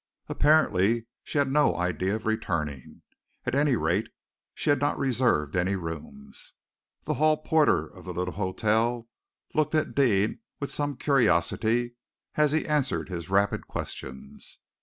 Apparently she had no idea of returning, at any rate, she had not reserved any rooms. The hall porter of the little hotel looked at Deane with some curiosity as he answered his rapid questions.